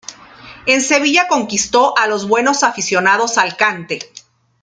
En Sevilla conquistó a los buenos aficionados al cante.